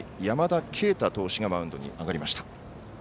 山田渓太投手がマウンドに上がりました。